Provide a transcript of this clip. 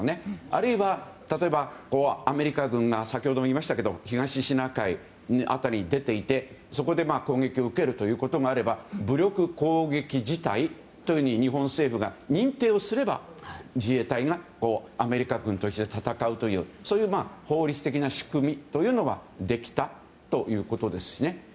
あるいは、例えばアメリカ軍が先ほども言いましたが東シナ海辺りに出ていて、そこで攻撃を受けるということがあれば武力攻撃事態というように日本政府が認定すれば自衛隊がアメリカ軍と一緒に戦うというそういう法律的な仕組みができたということですね。